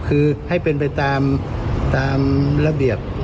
คือให้เป็นไปตามระเบียบ